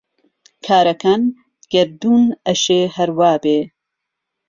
کارهکان گهردوون ئهشێ ههر وا بێ،